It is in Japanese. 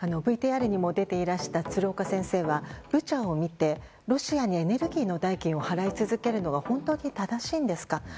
ＶＴＲにも出ていらした鶴岡先生は、ブチャを見てロシアにエネルギーの代金を払い続けるのは本当に正しいんですか？